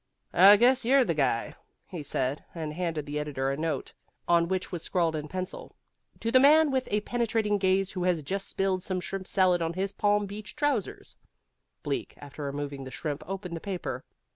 "I guess you're the guy," he said, and handed the editor a note on which was scrawled in pencil TO THE MAN WITH A PENETRATING GAZE WHO HAS JUST SPILLED SOME SHRIMP SALAD ON HIS PALM BEACH TROUSERS Bleak, after removing the shrimp, opened the paper.